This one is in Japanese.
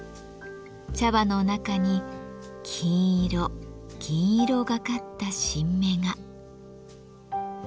茶葉の中に金色銀色がかった新芽が。